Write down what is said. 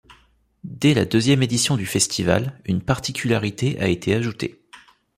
Dès la deuxième édition du festival, une particularité a été ajoutée.